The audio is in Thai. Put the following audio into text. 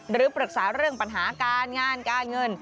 หรือปรึกษาเรื่องปัญหาการงานการเงิน